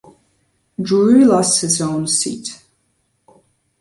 Drury lost his own seat.